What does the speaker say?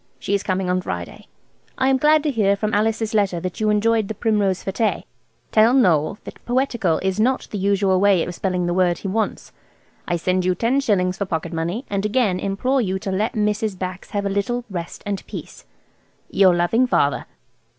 She is coming on Friday. I am glad to hear from Alice's letter that you enjoyed the Primrose fête. Tell Noël that 'poetticle' is not the usual way of spelling the word he wants. I send you ten shillings for pocket money, and again implore you to let Mrs. Bax have a little rest and peace. "Your loving "FATHER."